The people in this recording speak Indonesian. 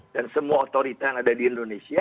dan semua otorita yang ada di indonesia